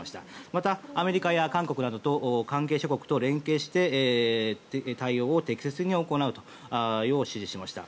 また、アメリカや韓国など関係諸国と連携して対応を適切に行うよう指示をしました。